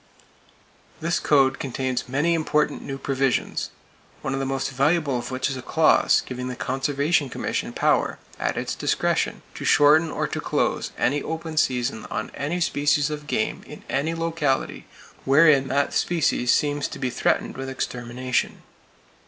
This code contains many important new provisions, one of the most valuable of which is a clause giving the Conservation Commission power, at its discretion, to shorten or to close any open season on any species of game in any locality wherein that species seems to be threatened with extermination.